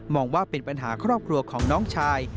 ว่าเป็นปัญหาครอบครัวของน้องชาย